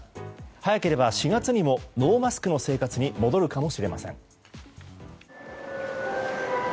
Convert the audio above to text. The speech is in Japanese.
早ければ、４月にもノーマスクの生活に戻るかもしれません。